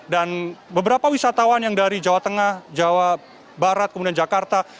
dan beberapa wisatawan yang dari jawa tengah jawa barat kemudian jakarta